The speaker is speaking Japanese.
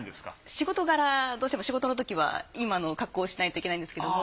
仕事柄どうしても仕事のときは今の格好をしないといけないんですけども。